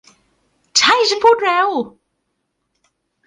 ใช่ ฉันพูดเร็ว